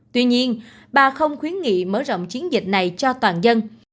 tuy nhiên bà không khuyến nghị mở rộng chiến dịch này cho toàn dân